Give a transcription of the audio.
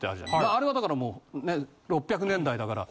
あれはだからもう６００年代だから。